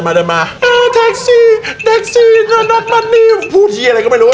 บองมึงเดิน